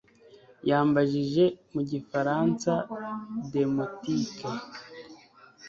Yambajije mu gifaransa demotic